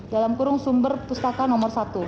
dalam kurung sumber pustaka nomor tiga belas